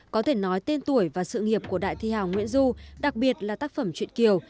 có thể nói tên tuổi và sự nghiệp của đại thi hào nguyễn du đặc biệt là tác phẩm chuyện kiều